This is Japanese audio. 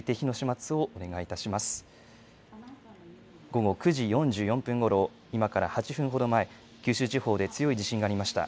午後９時４４分ごろ、今から８分ほど前、九州地方で強い地震がありました。